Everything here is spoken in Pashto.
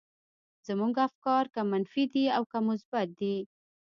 زموږ افکار که منفي دي او که مثبت دي.